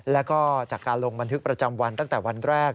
แล้วก็จากการลงบันทึกประจำวันตั้งแต่วันแรก